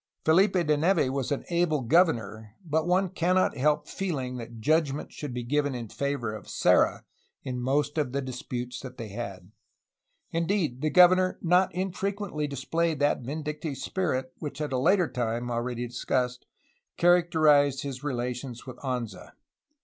Felipe de Neve was an able governor, but one cannot help feeling that judgment should be given in favor of Serra in most of the disputes that they had. Indeed, the governor not infrequently displayed that vindictive spirit which at a later time (already discussed) characterized his relations with Anza.